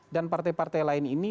dan partai partai lain ini